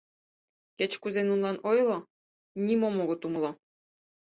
Кеч-кузе нунылан ойло, нимом огыт умыло.